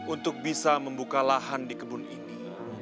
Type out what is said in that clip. untuk bisa membuka lahan di kebun ini